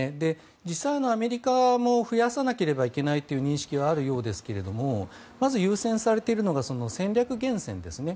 アメリカも増やさなければいけないという認識はあるようですがまず優先されているのが戦略原潜ですね。